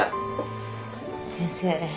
先生